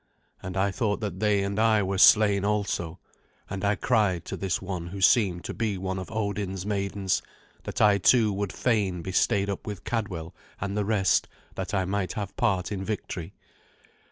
And I thought that they and I were slain also, and I cried to this one who seemed to be one of Odin's maidens that I too would fain be stayed up with Cadwal and the rest, that I might have part in victory.